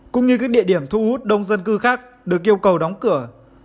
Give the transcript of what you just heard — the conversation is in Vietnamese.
cũng như các địa điểm thu hút đông dân cư khác được yêu cầu đóng cửa